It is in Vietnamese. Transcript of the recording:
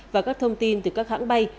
và các thông tin từ các hãng bay